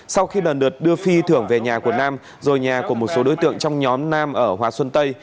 sau khi lần lượt đưa phi thưởng về nhà của nam rồi nhà của một số đối tượng trong nhóm nam ở hòa xuân tây